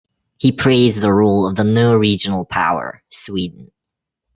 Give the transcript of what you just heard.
He praised the rule of the new regional power, Sweden.